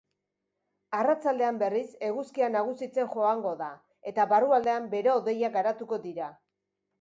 Arratsaldean berriz, eguzkia nagusitzen joango da eta barrualdean bero-hodeiak garatuko dira.